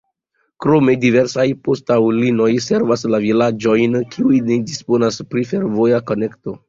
Krome diversaj poŝtaŭtolinioj servas la vilaĝojn, kiuj ne disponas pri fervoja konekto.